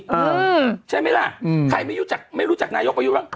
อืมใช่ไหมล่ะอืมใครไม่รู้จักไม่รู้จักนายกไปอยู่ล่ะ